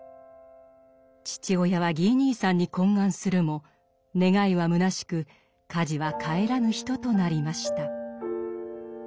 父親はギー兄さんに懇願するも願いはむなしくカジは帰らぬ人となりました。